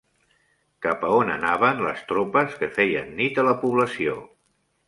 Cap on anaven les tropes que feien nit a la població?